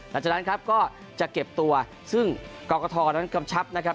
หลังจากนั้นครับก็จะเก็บตัวซึ่งกรกฐนั้นกำชับนะครับ